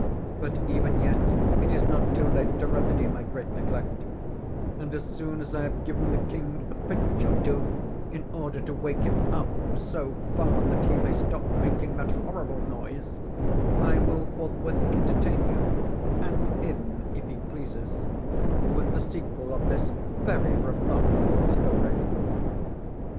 But even yet it is not too late to remedy my great neglect—and as soon as I have given the king a pinch or two in order to wake him up so far that he may stop making that horrible noise, I will forthwith entertain you (and him if he pleases) with the sequel of this very remarkable story."